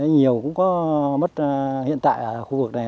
nhiều cũng có mất hiện tại ở khu vực này